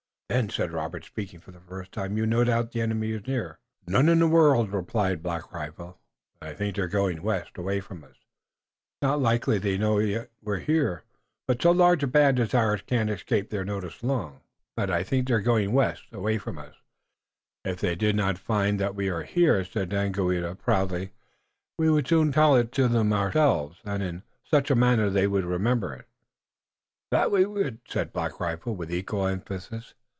"Then," said Robert, speaking for the first time, "you've no doubt the enemy is near?" "None in the world," replied Black Rifle, "but I think they're going west, away from us. It's not likely they know yet we're here, but so large a band as ours can't escape their notice long." "If they did not find that we are here," said Daganoweda proudly, "we would soon tell it to them ourselves, and in such manner that they would remember it." "That we would," said Black Rifle, with equal emphasis.